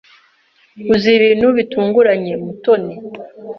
Wuzuye ibintu bitunguranye, Mutoni.